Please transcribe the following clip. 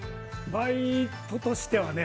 バイトとしてはね